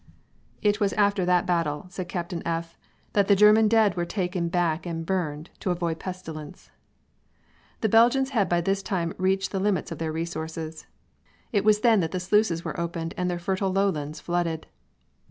"It was after that battle," said Captain F , "that the German dead were taken back and burned, to avoid pestilence." The Belgians had by this time reached the limit of their resources. It was then that the sluices were opened and their fertile lowlands flooded.